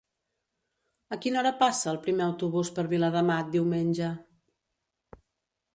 A quina hora passa el primer autobús per Viladamat diumenge?